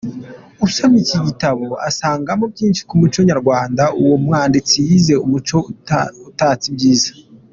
Usomye iki gitabo asangamo byinshi ku muco Nyarwanda uwo umwanditsi yise ‘Umuco utatse ibyiza’.